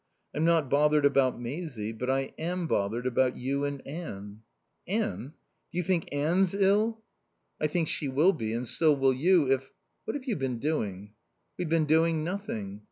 I'm not bothered about Maisie, but I am bothered about you and Anne." "Anne? Do you think Anne's ill?" "I think she will be, and so will you if... What have you been doing?" "We've been doing nothing."